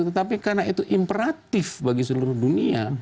tetapi karena itu imperatif bagi seluruh dunia